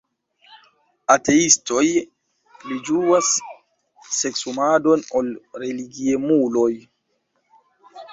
"Ateistoj pli ĝuas seksumadon ol religiemuloj."